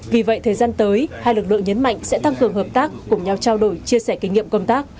vì vậy thời gian tới hai lực lượng nhấn mạnh sẽ tăng cường hợp tác cùng nhau trao đổi chia sẻ kinh nghiệm công tác